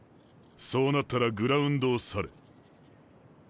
そうなったらグラウンドを去れ。